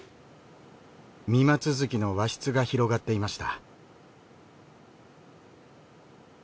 三間続きの和室が広がっていました。